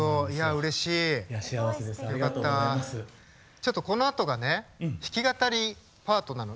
ちょっとこのあとがね弾き語りパートなの。